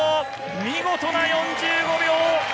見事な４５秒！